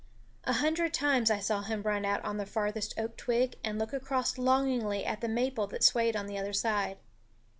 A hundred times I saw him run out on the farthest oak twig and look across longingly at the maple that swayed on the other side.